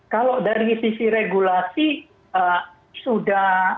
kalau dari sisi regulasi sudah